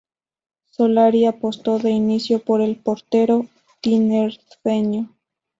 Solari apostó de inicio por el portero tinerfeño.